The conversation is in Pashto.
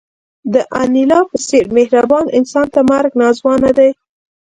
د انیلا په څېر مهربان انسان ته مرګ ناځوانه دی